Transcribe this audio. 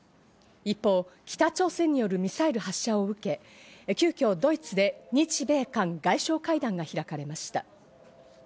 一方、北朝鮮によるミサイル発射を受け、急きょドイツで日米韓外相会談が開かれました。